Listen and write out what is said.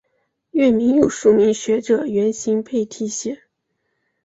院名又著名学者袁行霈题写。